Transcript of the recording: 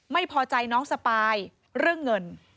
ไม่พอใจน้องสปายเรื่องเงิน